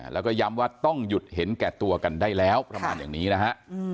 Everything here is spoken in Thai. แล้วก็ย้ำว่าต้องหยุดเห็นแก่ตัวกันได้แล้วประมาณอย่างนี้นะฮะ